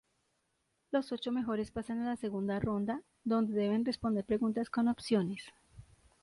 Los ocho mejores pasan a la segunda ronda, donde deben responder preguntas con opciones.